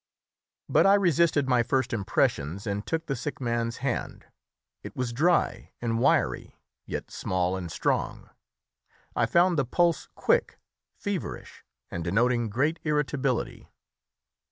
But I resisted my first impressions and took the sick man's hand. It was dry and wiry, yet small and strong; I found the pulse quick, feverish, and denoting great irritability.